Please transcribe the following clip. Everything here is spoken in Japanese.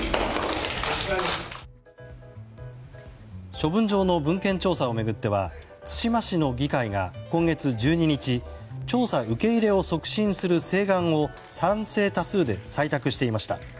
処分場の文献調査を巡っては対馬市の議会が今月１２日調査受け入れを促進する請願を賛成多数で採択していました。